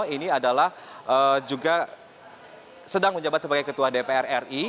ini adalah juga sedang menjabat sebagai ketua dpr ri